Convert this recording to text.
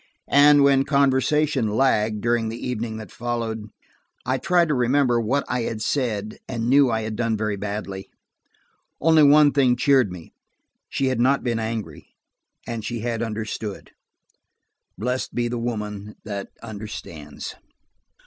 And when conversation lagged, during the evening that followed, I tried to remember what I had said, and knew I had done very badly. Only one thing cheered me: she had not been angry, and she had understood. Blessed be the woman that understands!